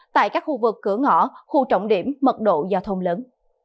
tại các khu vực cửa ngõ khu trọng điểm mật độ giao thông lớn